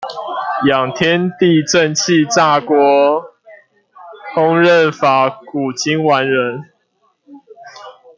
養天地正氣炸鍋，烹飪法古今完人